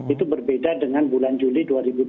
itu berbeda dengan bulan juli dua ribu dua puluh